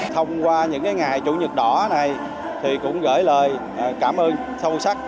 thông qua những ngày chủ nhật đỏ này thì cũng gửi lời cảm ơn sâu sắc